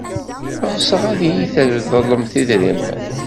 Ɣseɣ ad iyi-d-treḍlemt idrimen.